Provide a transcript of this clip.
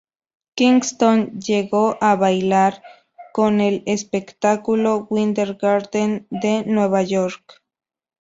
Kingston llegó a bailar con el espectáculo Winter Garden de Nueva York.